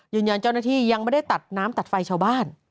เจ้าหน้าที่ยังไม่ได้ตัดน้ำตัดไฟชาวบ้าน